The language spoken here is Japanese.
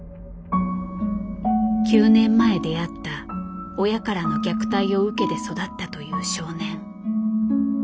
９年前出会った親からの虐待を受けて育ったという少年。